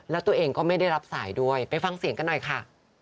แล้วตัวเองก็ไม่ได้รับสายด้วยไปฟังเสียงกันหน่อยค่ะ